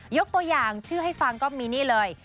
ยกตัวอย่างชื่อให้ฟังก็มีนี่เลย